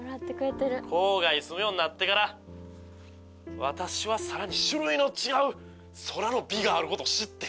「郊外住むようになってから私はさらに種類の違う空の美があることを知って」